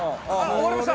終わりました！